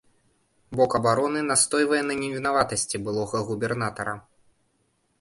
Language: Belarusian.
Бок абароны настойвае на невінаватасці былога губернатара.